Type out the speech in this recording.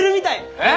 えっ！？